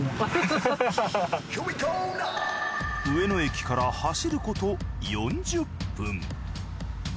上野駅から走ること４０分。